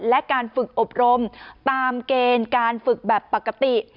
และการฝึกอบรมตามเกณฑ์การฝึกแบบปกติ